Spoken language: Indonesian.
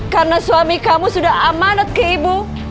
karena suami kamu sudah amanat ke ibu